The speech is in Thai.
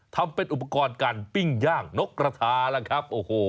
ทำเป็นอุปกรณ์การปิ้งย่างนกกระทาล่ะครับโอ้โห